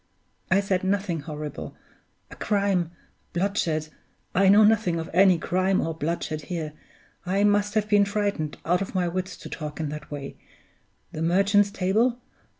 I said nothing horrible. A crime! Bloodshed! I know nothing of any crime or bloodshed here I must have been frightened out of my wits to talk in that way! The Merchant's Table?